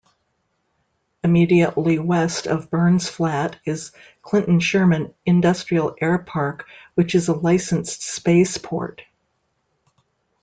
Immediately west of Burns Flat is Clinton-Sherman Industrial Airpark which is a licensed spaceport.